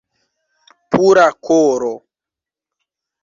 Pura koro!